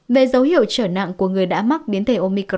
về dấu hiệu trở nặng của người đã mắc biến thể omic